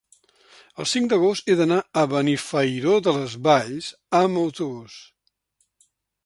El cinc d'agost he d'anar a Benifairó de les Valls amb autobús.